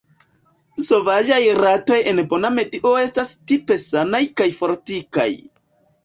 Sovaĝaj ratoj en bona medio estas tipe sanaj kaj fortikaj.